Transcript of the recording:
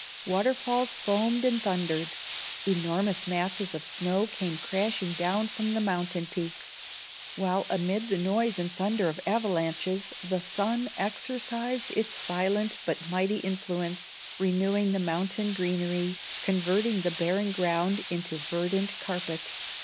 Waterfalls foamed and thundered; enormous masses of snow came crashing down from the mountain peaks; while amid the noise and thunder of avalanches the sun exercised its silent but mighty influence, renewing the mountain greenery, converting the barren ground into a verdant carpet.